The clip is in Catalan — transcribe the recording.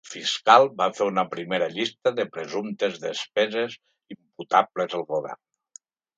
El fiscal va fer una primera llista de presumptes despeses imputables al govern.